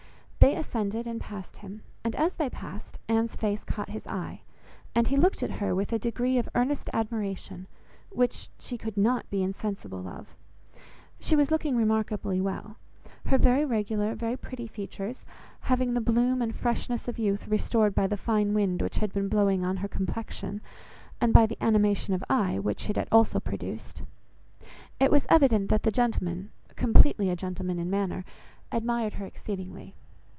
They ascended and passed him; and as they passed, Anne's face caught his eye, and he looked at her with a degree of earnest admiration, which she could not be insensible of. She was looking remarkably well; her very regular, very pretty features, having the bloom and freshness of youth restored by the fine wind which had been blowing on her complexion, and by the animation of eye which it had also produced. It was evident that the gentleman, (completely a gentleman in manner) admired her exceedingly.